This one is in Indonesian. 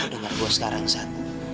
lo dengar gue sekarang sat